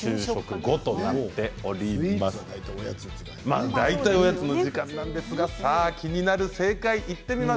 まあ大体おやつの時間なんですがさあ気になる正解いってみましょう。